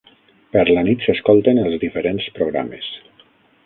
Per la nit s'escolten els diferents programes.